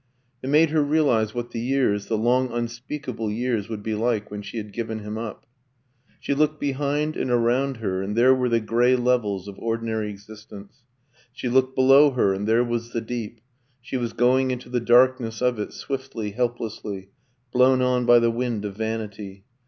It made her realise what the years, the long unspeakable years, would be like when she had given him up. She looked behind and around her, and there were the grey levels of ordinary existence; she looked below her, and there was the deep; she was going into the darkness of it, swiftly, helplessly, blown on by the wind of vanity.